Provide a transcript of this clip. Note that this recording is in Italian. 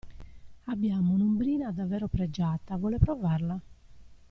Abbiamo un'ombrina davvero pregiata, vuole provarla?